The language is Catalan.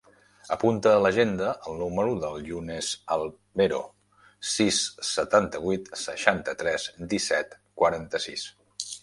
Apunta a l'agenda el número del Younes Albero: sis, setanta-vuit, seixanta-tres, disset, quaranta-sis.